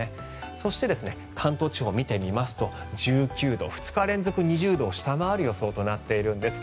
そして、関東地方を見てみると１９度２日連続２０度を下回る予想となっているんです。